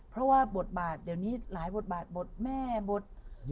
เพราะว่าบทบาทเดี๋ยวนี้หลายบทบาทบทแม่บท